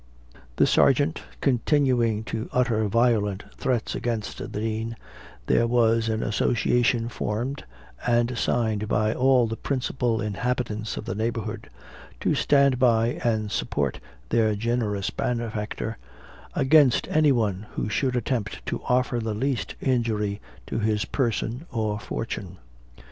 The sergeant continuing to utter violent threats against the Dean, there was an association formed and signed by all the principal inhabitants of the neighborhood, to stand by and support their generous benefactor against any one who should attempt to offer the least injury to his person or fortune.